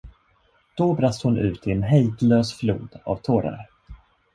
Då brast hon ut i en hejdlös flod av tårar.